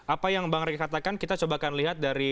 apa yang bang rekat katakan kita coba lihat dari